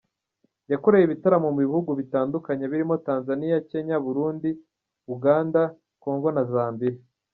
Yakoreye ibitaramo mu bihugu bitandukanye birimoTanzania, Kenya Burundi, Uganda, Congo na Zambia.